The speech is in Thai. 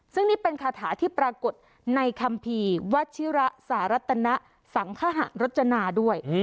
ซึ่งนี่เป็นคาถาที่ปรากฏในคัมภีร์วัชิระสารัตนะสังคหะรจนาด้วย